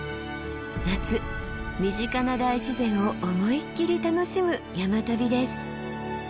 夏身近な大自然を思いっきり楽しむ山旅です。